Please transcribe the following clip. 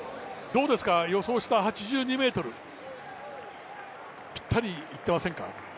どうですか予想した８２ｍぴったりいってませんか？